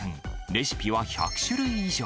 レシピは１００種類以上。